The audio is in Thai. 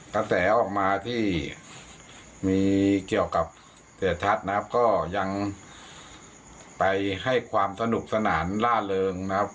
กระแสออกมาที่มีเกี่ยวกับเสียทัศน์นะครับก็ยังไปให้ความสนุกสนานล่าเริงนะครับ